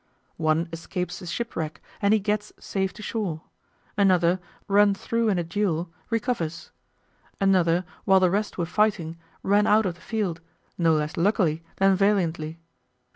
One escapes a shipwreck, and he gets safe to shore. Another, run through in a duel, recovers. Another, while the rest were fighting, ran out of the field, no less luckily than valiantly.